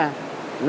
cái thứ bốn nữa là